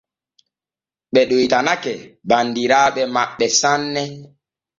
Ɓe ɗoytanake banniraaɓe maɓɓe sanne.